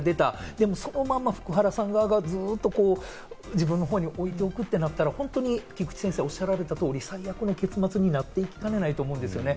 でも、そのまま福原さん側がずっと自分のほうに置いておくってなったら菊地先生がおっしゃられた通り、最悪の結末になっていきかねないと思うんですね。